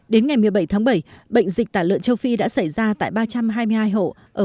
đến ngày một mươi bảy tháng bảy bệnh dịch tả lợn châu phi đã xảy ra tại ba trăm hai mươi hai hộ